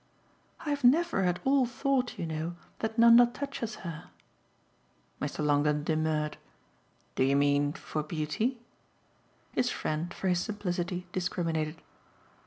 "I've never at all thought, you know, that Nanda touches her." Mr. Longdon demurred. "Do you mean for beauty?" His friend, for his simplicity, discriminated.